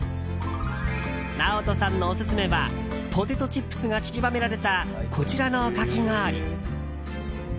ＮＡＯＴＯさんのオススメはポテトチップスが散りばめられたこちらのカキ氷。